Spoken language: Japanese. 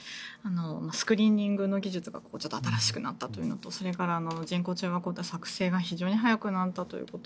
スクリーニングの技術が新しくなったということとそれから人工中和抗体の作成が非常に早くなったということ。